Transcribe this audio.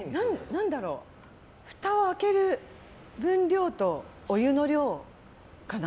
何だろう、ふたを開ける分量とお湯の量かな。